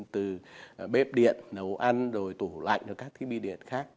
từ bếp điện nấu ăn rồi tủ lạnh rồi các thiết bị điện khác